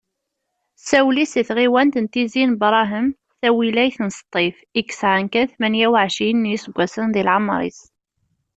Sawli seg tɣiwant n Tizi n Brahem, tawilayt n Ṣṭif, i yesεan kan tmanya uɛecrin n yiseggasen di leεmeṛ-is.